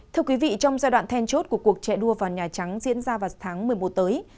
thưa quý vị trong giai đoạn then chốt của cuộc chạy đua vào nhà trắng diễn ra vào tháng một mươi một tới